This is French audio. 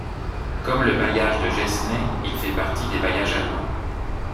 Comme le bailliage de Gessenay, il fait partie des bailliages allemands.